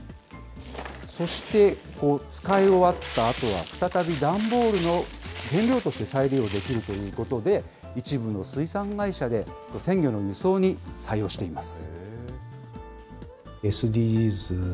そして、使い終わったあとは、再び段ボールの原料として再利用できるということで、一部の水産会社で、鮮魚の輸送に採用しています。